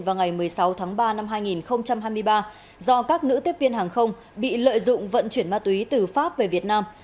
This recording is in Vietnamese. vào ngày một mươi sáu tháng ba năm hai nghìn hai mươi ba do các nữ tiếp viên hàng không bị lợi dụng vận chuyển ma túy từ pháp về việt nam